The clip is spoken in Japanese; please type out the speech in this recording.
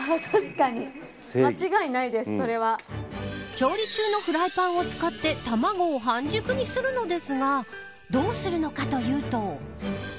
調理中のフライパンを使って卵を半熟にするのですがどうするのかというと。